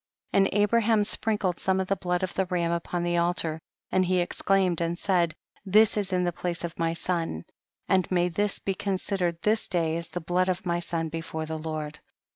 74. And Abraham sprinkled some of the blood of the ram upon the al tar, and he exclaimed and said, this is in the place of my son, and may this be considered this day as the blood of my son before the Lord.